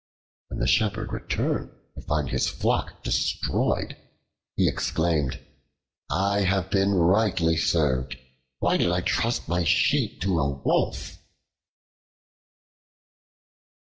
When the Shepherd returned to find his flock destroyed, he exclaimed: "I have been rightly served; why did I trust my sheep to a Wolf?"